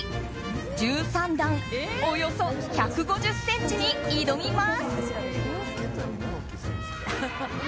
１３段、およそ１５０ｃｍに挑みます。